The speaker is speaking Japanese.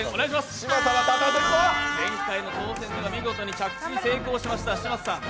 前回は見事着地に成功しました嶋佐さん